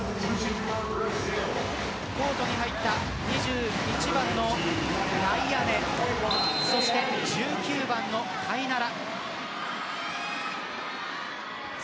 コートに入った２１番のナイアネそして１９番のタイナラ。